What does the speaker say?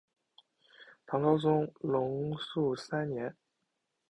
唐高宗龙朔三年。